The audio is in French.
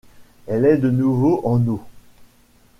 Elle est de nouveau en eau.